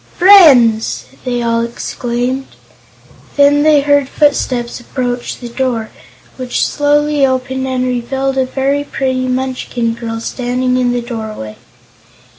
"Friends!" they all exclaimed. Then they heard footsteps approach the door, which slowly opened and revealed a very pretty Munchkin girl standing in the doorway.